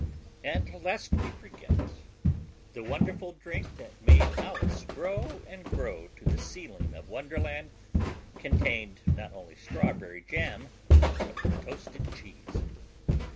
And, lest we forget, the wonderful drink that made Alice grow and grow to the ceiling of Wonderland contained not only strawberry jam but toasted cheese.